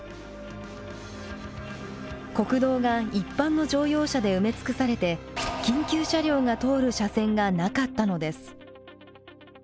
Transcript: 国道が一般の乗用車で埋め尽くされて緊急車両が通る車線がなかったのです。